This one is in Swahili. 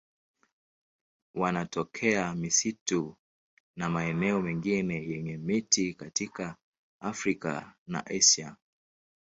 Wanatokea misitu na maeneo mengine yenye miti katika Afrika na Asia.